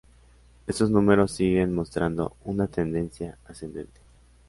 Estos números siguen mostrando una tendencia ascendente.